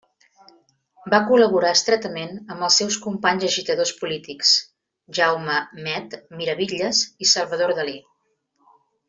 Va col·laborar estretament amb els seus companys agitadors polítics, Jaume 'Met' Miravitlles i Salvador Dalí.